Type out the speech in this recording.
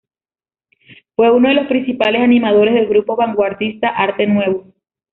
Fue uno de los principales animadores del grupo vanguardista "Arte Nuevo".